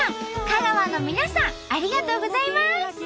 香川の皆さんありがとうございます！